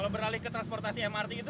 kalau beralih ke transportasi mrt itu